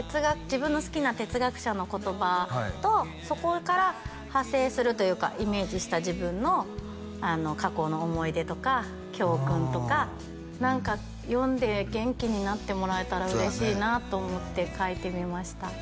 自分の好きな哲学者の言葉とそこから派生するというかイメージした自分の過去の思い出とか教訓とか何か読んで元気になってもらえたら嬉しいなと思って書いてみました